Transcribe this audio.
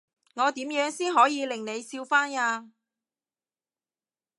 我點樣先可以令你笑返呀？